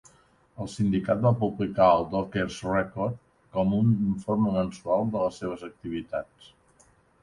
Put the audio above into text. El sindicat va publicar el "Dockers' Record" com un informe mensual de les seves activitats.